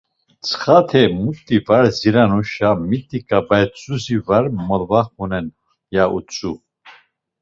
Mtsxade muti var ziranuşa, miti ǩabaet̆isuzi var molvaxunenan, ya utzu.